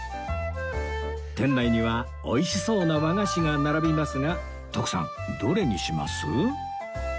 店内には美味しそうな和菓子が並びますが徳さんどれにします？